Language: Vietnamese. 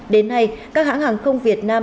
đến nay các hãng hàng không việt nam